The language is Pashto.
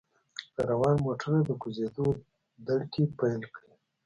له روان موټره د کوزیدو دړکې پېل کړې.